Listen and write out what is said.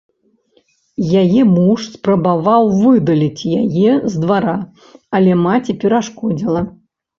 Яе муж спрабаваў выдаліць яе з двара, але маці перашкодзіла.